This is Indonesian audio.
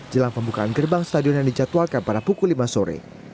jelang pembukaan gerbang stadion yang dijadwalkan pada pukul lima sore